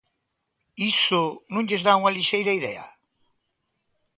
¿Iso non lles dá unha lixeira idea?